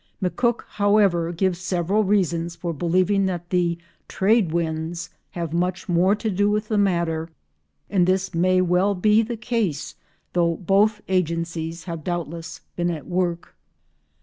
McCook, however, gives several reasons for believing that the trade winds have much more to do with the matter, and this may well be the case, though both agencies have doubtless been at work.